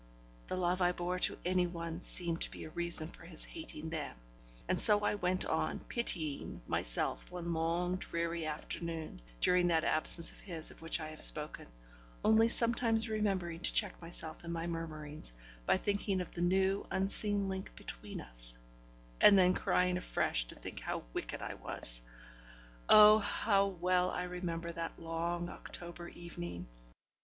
The love I bore to any one seemed to be a reason for his hating them, and so I went on pitying myself one long dreary afternoon during that absence of his of which I have spoken, only sometimes remembering to check myself in my murmurings by thinking of the new unseen link between us, and then crying afresh to think how wicked I was. Oh, how well I remember that long October evening!